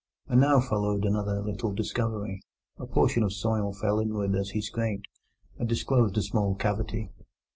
And now followed another little discovery: a portion of soil fell inward as he scraped, and disclosed a small cavity.